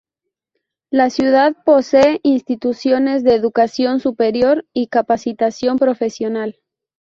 La ciudad posee instituciones de educación superior y capacitación profesional.